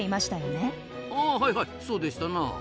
あはいはいそうでしたな。